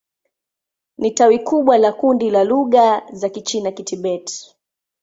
Ni tawi kubwa la kundi la lugha za Kichina-Kitibet.